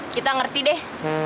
kita ngerti deh